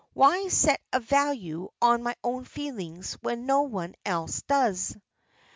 Why set a value on my own feelings when no one else does?"